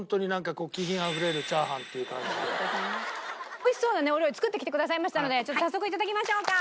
美味しそうなお料理作ってきてくださいましたので早速頂きましょうか。